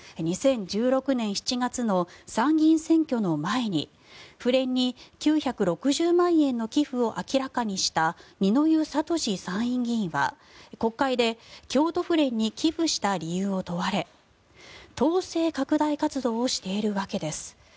２０１６年７月の参議院選挙の前に府連に９６０万円の寄付を明らかにした二之湯智参議院議員は国会で京都府連に寄付した理由を問われ党勢拡大活動をしているわけです